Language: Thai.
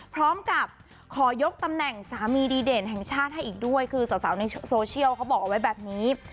พร้อมกับขอยกตำแหน่งสามีดีเด่นแห่งชาติให้อีกด้วยคือสาวในโซเชียลเขาบอกเอาไว้แบบนี้